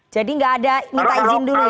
jadi enggak ada minta izin dulu ya